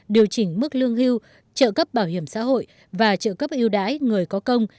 điều chỉnh mức lương hưu trợ cấp bảo hiểm xã hội và trợ cấp yêu đãi người có công